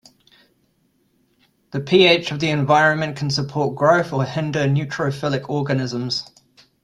The pH of the environment can support growth or hinder neutrophilic organisms.